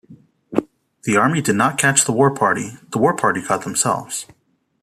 The Army did not catch the war party, the war party caught themselves.